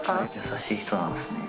優しい人なんですね。